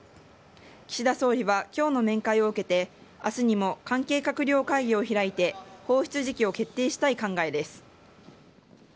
岸田総理はきょうの面会を受けて、あすにも関係閣僚会議を開いて、放出時期を決定したい考えです。